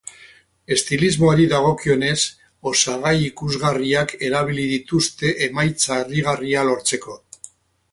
Estilismoari dagokionez, osagai ikusgarriak erabili dituzte emaitza harrigarria lortzeko.